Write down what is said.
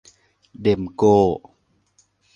เด็มโก้